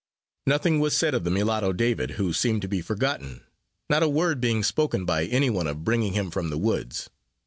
Nothing was said of the mulatto, David, who seemed to be forgotten not a word being spoken by any one of bringing him from the woods.